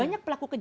agak jahat sekali